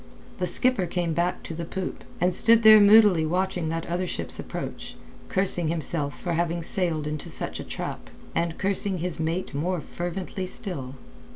The skipper came back to the poop, and stood there moodily watching that other ship's approach, cursing himself for having sailed into such a trap, and cursing his mate more fervently still.